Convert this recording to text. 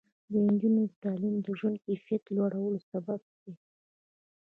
د نجونو تعلیم د ژوند کیفیت لوړولو سبب دی.